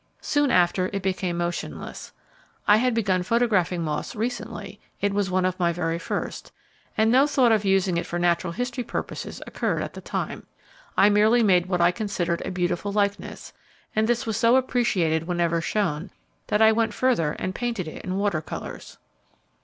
Soon after it became motionless. I had begun photographing moths recently; it was one of my very first, and no thought of using it for natural history purposes occurred at the time. I merely made what I considered a beautiful likeness, and this was so appreciated whenever shown, that I went further and painted it in water colours.